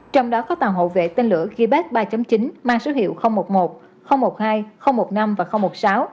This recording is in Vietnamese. trong đó có tàu hậu vệ tên lửa gib ba chín mang số hiệu một mươi một một mươi hai một mươi năm và một mươi sáu